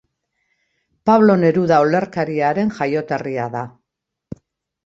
Pablo Neruda olerkariaren jaioterria da.